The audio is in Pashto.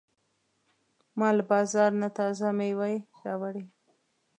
ما له بازار نه تازه مېوې راوړې.